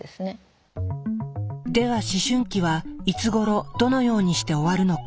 では思春期はいつごろどのようにして終わるのか。